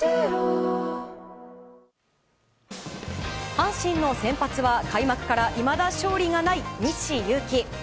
阪神の先発は、開幕からいまだ勝利がない西勇輝。